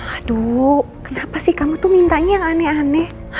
aduh kenapa sih kamu tuh mintanya yang aneh aneh